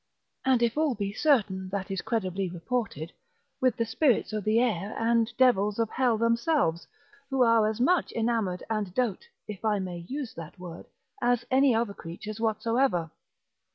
and if all be certain that is credibly reported, with the spirits of the air, and devils of hell themselves, who are as much enamoured and dote (if I may use that word) as any other creatures whatsoever.